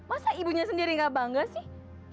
masa ibunya sendiri gak bangga sih